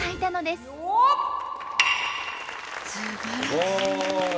すごい！